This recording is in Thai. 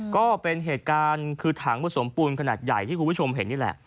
ก็เป็นเหตุการณ์คือถังผสมปูนขนาดใหญ่ที่คุณผู้ชมเห็นนี่แหละ